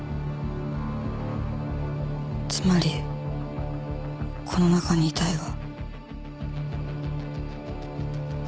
つまりこの中に遺体が。